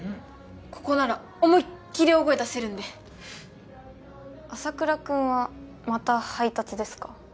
ここなら思いっきり大声出せるんで朝倉君はまた配達ですか？